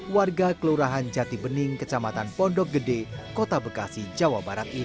warga kelurahan jati bening kecamatan pondok gede kota bekasi jawa barat ini